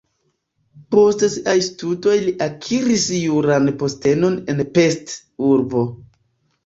Post siaj studoj li akiris juran postenon en Pest (urbo).